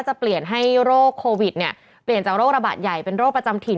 จะเปลี่ยนให้โรคโควิดเนี่ยเปลี่ยนจากโรคระบาดใหญ่เป็นโรคประจำถิ่น